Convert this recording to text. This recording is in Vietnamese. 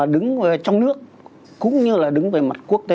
đứng trong nước cũng như là đứng về mặt quốc tế